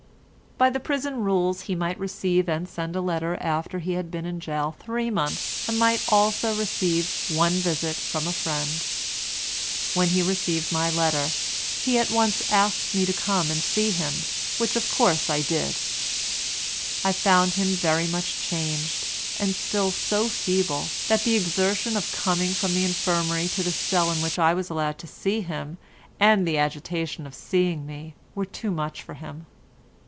By the prison rules he might receive and send a letter after he had been in gaol three months, and might also receive one visit from a friend. When he received my letter, he at once asked me to come and see him, which of course I did. I found him very much changed, and still so feeble, that the exertion of coming from the infirmary to the cell in which I was allowed to see him, and the agitation of seeing me were too much for him.